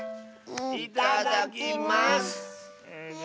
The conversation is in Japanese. いただきます！